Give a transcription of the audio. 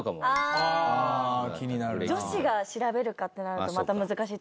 女子が調べるかってなるとまた難しいところも。